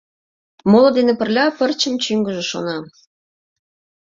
Моло дене пырля пырчым чӱҥгыжӧ, шона.